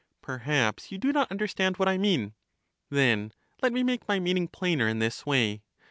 Per haps you do not understand what I mean. Then let me make my meaning plainer in this way.